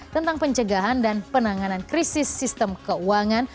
tentang pencegahan dan penanganan krisis sistem keuangan